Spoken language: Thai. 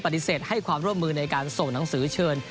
ให้ความร่วมมือในการส่งหนังสือเชิญ